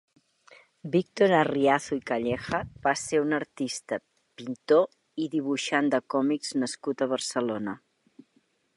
Víctor Arriazu i Calleja va ser un artista, pintor i dibuixant de còmics nascut a Barcelona.